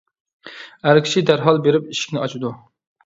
ئەر كىشى دەرھال بېرىپ ئىشىكنى ئاچىدۇ.